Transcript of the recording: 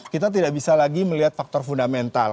kita tidak bisa lagi melihat faktor fundamental